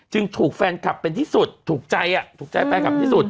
ถูกแฟนคลับเป็นที่สุดถูกใจถูกใจแฟนคลับที่สุด